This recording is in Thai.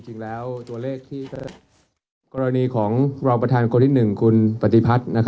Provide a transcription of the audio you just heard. จริงแล้วตัวเลขที่กรณีของรองประธานคนที่๑คุณปฏิพัฒน์